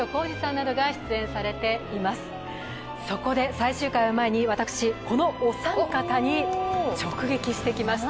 最終回を前に、私、このお三方に直撃してきました。